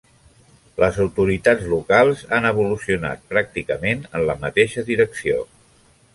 Les autoritats locals han evolucionat pràcticament en la mateixa direcció.